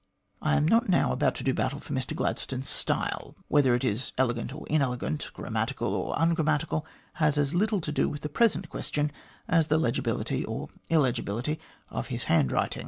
I am not now about to do battle for Mr Gladstone's style; whether that is elegant or inelegant, grammatical or ungrammatical, has as little to do with the present question as the legibility or illegibility of his hand writing.